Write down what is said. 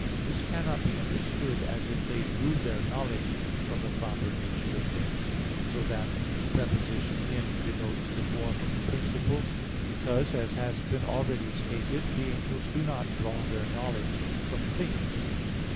This cannot be understood as if they drew their knowledge from the proper nature of things, so that the preposition "in" denotes the form of a principle; because, as has been already stated (Q. 55, A. 2), the angels do not draw their knowledge from things.